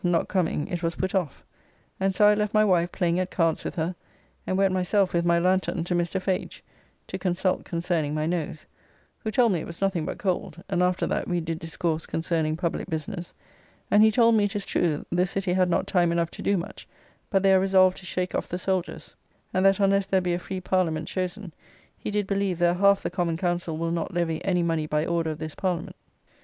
] not coming it was put off; and so I left my wife playing at cards with her, and went myself with my lanthorn to Mr. Fage, to consult concerning my nose, who told me it was nothing but cold, and after that we did discourse concerning public business; and he told me it is true the City had not time enough to do much, but they are resolved to shake off the soldiers; and that unless there be a free Parliament chosen, he did believe there are half the Common Council will not levy any money by order of this Parliament.